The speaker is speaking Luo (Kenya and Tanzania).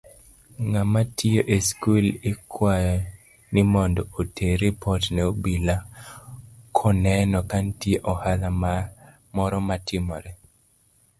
Ng'amatiyo eskul ikwayo nimondo oter ripot ne obila koneno kanitie ohala moro matimore.